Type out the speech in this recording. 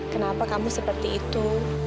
kenapa kamu seperti itu